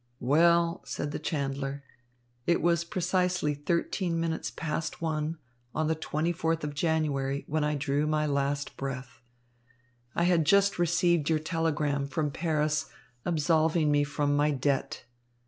"Well," said the chandler, "it was precisely thirteen minutes past one on the twenty fourth of January when I drew my last breath. I had just received your telegram from Paris absolving me from my debt.